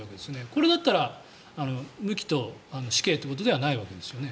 これだったら無期と死刑ってことではないわけですよね？